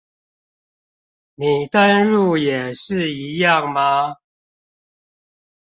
你登入也是一樣嗎？